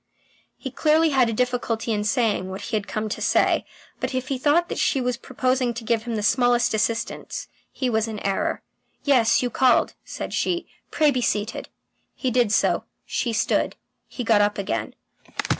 He clearly had a difficulty in saying what he had come to say, but if he thought that she was proposing to give him the smallest assistance, he was in error. "Yes, you called," said she. "Pray be seated." He did so; she stood; he got up again.